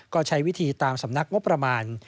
ก็ใช้วิธีตามสำนักงบประมาณ